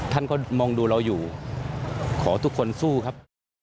ท่านก็มองดูเราอยู่ขอทุกคนสู้ครับ